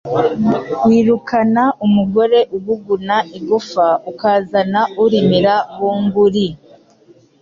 Wirukana umugore uguguna igufa ukazana urimira bunguri